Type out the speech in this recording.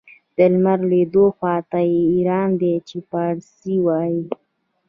د لمر لوېدو خواته یې ایران دی چې پارسي وايي.